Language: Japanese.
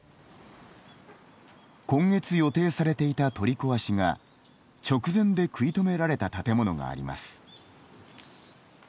今月予定されていた取り壊しが直前で食い止められた建物があります。